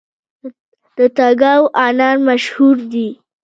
د تګاب انار مشهور دي